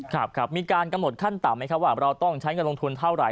ครับครับมีการกำหนดขั้นต่ำไหมครับว่าเราต้องใช้เงินลงทุนเท่าไห